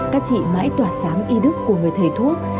các chị mãi tỏa sáng y đức của người thầy thuốc